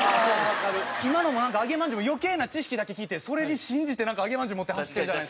今のも揚げまんじゅうも余計な知識だけ聞いてそれ信じて揚げまんじゅう持って走ってるじゃないですか。